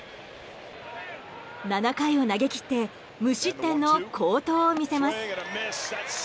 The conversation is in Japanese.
７回を投げ切って無失点の好投を見せます。